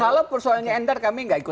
kalau soalnya endar kami tidak ikut